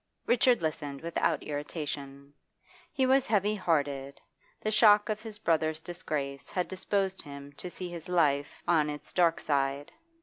Richard listened without irritation; he was heavy hearted, the shock of his brother's disgrace had disposed him to see his life on its dark side.